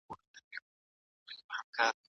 که مینه نه وي کار ستړی کوونکی کیږي.